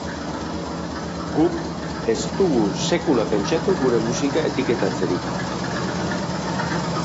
Guk ez dugu sekula pentsatu gure musika etiketatzerik.